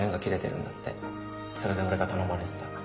それで俺が頼まれてた。